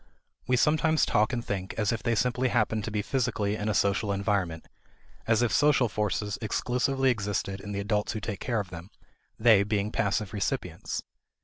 We sometimes talk and think as if they simply happened to be physically in a social environment; as if social forces exclusively existed in the adults who take care of them, they being passive recipients.